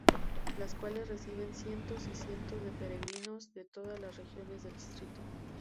Las cuales reciben cientos y cientos de peregrinos de todas las regiones del distrito.